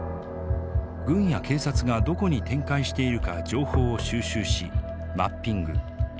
軍や警察がどこに展開しているか情報を収集しマッピング。